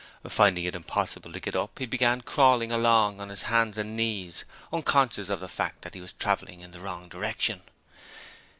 Finding it impossible to get up, he began crawling along on his hands and knees, unconscious of the fact that he was travelling in the wrong direction.